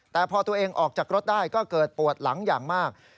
แต่พอตัวเองออกจากรถได้ก็เกิดปวดหลังอย่างมาก